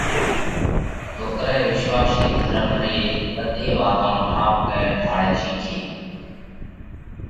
سوڪرئہ وِشواسِي ڌرم ري ٻڌي واتون ٺائُوڪئہ ڍاۯئہ شِيکي